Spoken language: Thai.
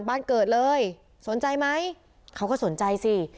บ้านเกิดเลยสนใจไหมเขาก็สนใจสิ